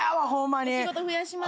お仕事増やします。